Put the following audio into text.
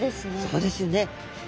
そうですね。